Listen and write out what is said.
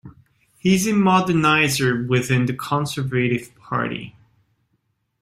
He is a moderniser within the Conservative Party.